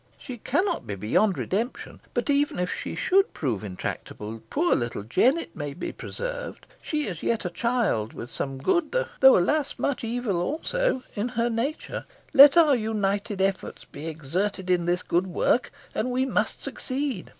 "She cannot be beyond redemption. But even if she should prove intractable, poor little Jennet may be preserved. She is yet a child, with some good though, alas! much evil, also in her nature. Let our united efforts be exerted in this good work, and we must succeed.